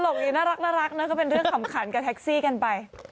น่ารักนะก็เป็นเรื่องขำขันกับแท็กซี่กันไป